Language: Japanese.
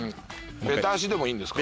べた足でもいいんですか？